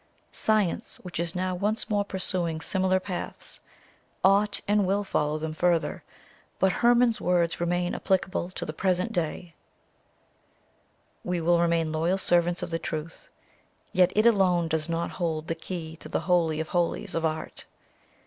Science, which is now once more pursuing similar paths, ought and will follow them further, but Hermon's words remain applicable to the present clay: "We will remain loyal servants of the truth; yet it alone does not hold the key to the holy of holies of art.